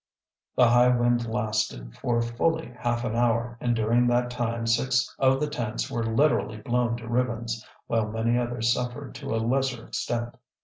The high wind lasted for fully half an hour and during that time six of the tents were literally blown to ribbons, while many others suffered to a lesser extent.